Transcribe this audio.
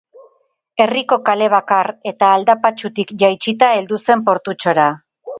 Herriko kale bakar eta aldapatsutik jaitsita heldu zen portutxora.